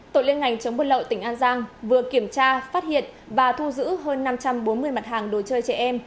tổ liên ngành chống buôn lậu tỉnh an giang vừa kiểm tra phát hiện và thu giữ hơn năm trăm bốn mươi mặt hàng đồ chơi trẻ em